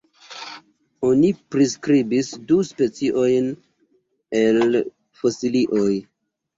Oni priskribis du speciojn el fosilioj.